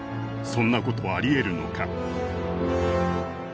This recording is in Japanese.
そんなことありえるのか？